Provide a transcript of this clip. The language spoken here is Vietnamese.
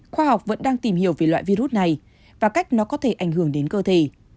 khoa học vẫn đang tìm hiểu về loại virus này và cách nó có thể ảnh hưởng đến cơ thể